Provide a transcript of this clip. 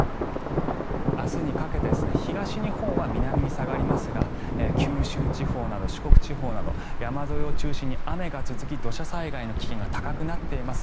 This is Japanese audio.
明日にかけて東日本は南に下がりますが九州地方など四国地方など山沿いを中心に雨が続き、土砂災害の危険が高くなっています。